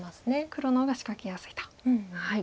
黒の方が仕掛けやすいと。